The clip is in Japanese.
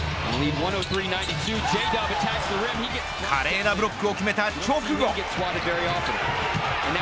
華麗なブロックを決めた直後。